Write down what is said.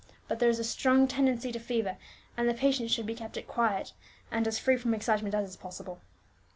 But there is a strong tendency to fever, and the patient should be kept as quiet and as free from excitement as is possible."